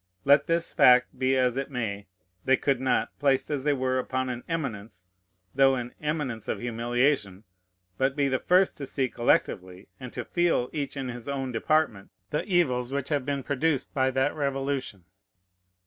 Let this fact be as it may, they could not, placed as they were upon an eminence, though an eminence of humiliation, but be the first to see collectively, and to feel each in his own department, the evils which have been produced by that Revolution.